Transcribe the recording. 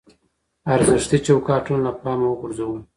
ارزښتي چوکاټونه له پامه وغورځوو.